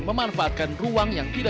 memanfaatkan ruang yang tidak begitu luas